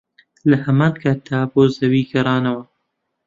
لەهەمانکاتدا بۆ زەوی گەڕانەوە